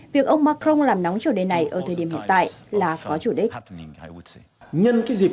việc ông macron làm nóng chủ đề này ở thời điểm hiện tại là có chủ đích